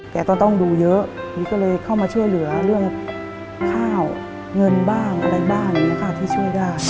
แกก็ต้องดูเยอะทีนี้ก็เลยเข้ามาช่วยเหลือเรื่องข้าวเงินบ้างอะไรบ้างอย่างนี้ค่ะที่ช่วยได้